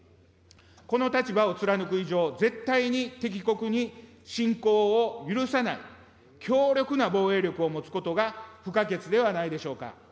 この立場を貫く以上、絶対に敵国に侵攻を許さない強力な防衛力を持つことが不可欠ではないでしょうか。